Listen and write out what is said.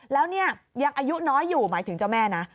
แล้วเนี่ยยังอายุน้อยอยู่หมายถึงเจ้าแม่นะ